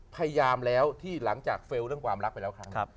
พยายามแล้วที่หลังจากเฟลล์เรื่องความรักไปแล้วครั้ง